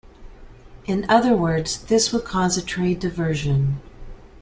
In other words, this would cause a trade diversion.